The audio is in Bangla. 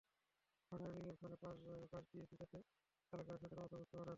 ভাঙা রেলিংয়ের স্থানে বাঁশ দিয়েছি, যাতে চালকেরা সেতুর অবস্থান বুঝতে পারেন।